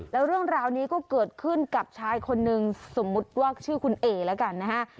แล้วเรื่องราวนี้ก็เกิดขึ้นกับชายคนนึงสมมุติว่าชื่อคุณเอแล้วกันนะฮะ